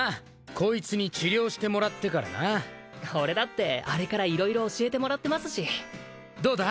こいつに治療してもらってからな俺だってあれから色々教えてもらってますしどうだ？